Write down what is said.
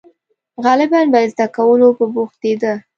• غالباً په زده کولو به بوختېده.